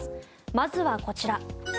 まずはこちら。